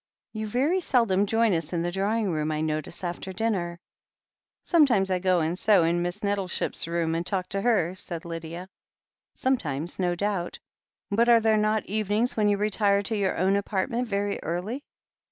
You very seldom join us in the drawing room, I notice, after dinner." "Sometimes I go and sew in Miss Nettleship's room, and talk to her," said Lydia. "Sometimes, no doubt. But are there not evenings when you retire to your own apartment very early?"